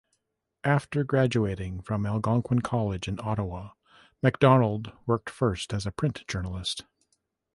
After graduating from Algonquin College in Ottawa, Macdonald worked first as a print journalist.